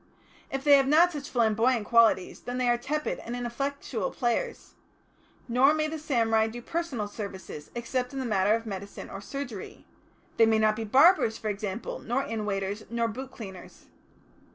If they have not such flamboyant qualities then they are tepid and ineffectual players. Nor may the samurai do personal services, except in the matter of medicine or surgery; they may not be barbers, for example, nor inn waiters, nor boot cleaners.